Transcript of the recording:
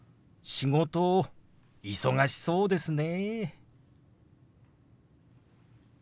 「仕事忙しそうですね」。